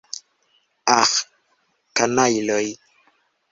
Aĥ, kanajloj!